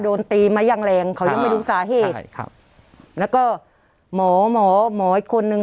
โดนตีมาอย่างแรงเขายังไม่รู้สาเหตุใช่ครับแล้วก็หมอหมออีกคนนึง